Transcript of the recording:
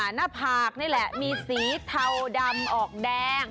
หน้าผากนี่แหละมีสีเทาดำออกแดง